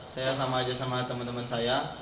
saya sama aja sama temen temen saya